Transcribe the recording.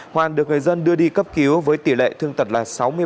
hoàn được người dân đưa đi cấp cứu với tỷ lệ thương tật là sáu mươi ba